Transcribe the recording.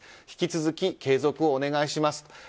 引き続き継続をお願いします。